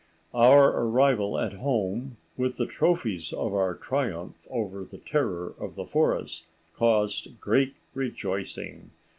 Our arrival at home with the trophies of our triumph over the terror of the forest caused great rejoicing.